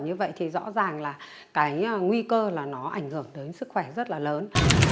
như vậy thì rõ ràng là cái nguy cơ là nó ảnh hưởng đến sức khỏe rất là lớn